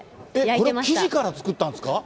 これ、生地から作ったんですか？